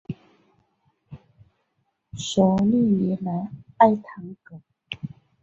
索利尼莱埃唐格。